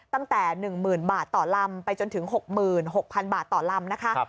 ตั้งแต่๑๐๐๐บาทต่อลำไปจนถึง๖๖๐๐๐บาทต่อลำนะคะ